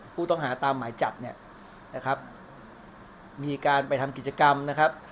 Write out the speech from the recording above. ผู้ต้องหาตามหมายจับเนี่ยนะครับมีการไปทำกิจกรรมนะครับ